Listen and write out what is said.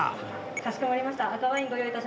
かしこまりました。